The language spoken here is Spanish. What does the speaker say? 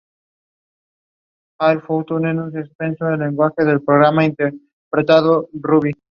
Su parte anterior puede volverse blanquecina en invierno.